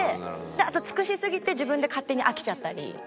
あと尽くしすぎて自分で勝手に飽きちゃったり。